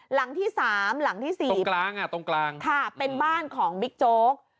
หลังที่สามหลังที่สี่ตรงกลางอ่ะตรงกลางค่ะเป็นบ้านของบิ๊กโจ๊ก